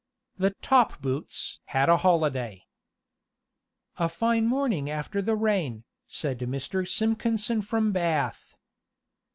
The "top boots" had a holiday. "A fine morning after the rain," said Mr. Simpkinson from Bath.